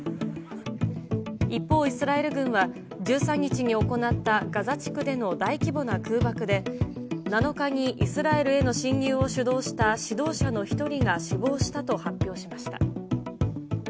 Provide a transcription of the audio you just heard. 一方、イスラエル軍は１３日に行ったガザ地区での大規模な空爆で、７日にイスラエルへの侵入を主導した指導者の１人が死亡したと発表しました。